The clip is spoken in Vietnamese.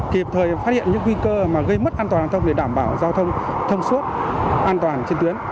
kịp thời phát hiện những nguy cơ mà gây mất an toàn giao thông để đảm bảo giao thông thông suốt an toàn trên tuyến